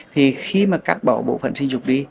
thì khi mà cắt bỏ bộ phận sinh dục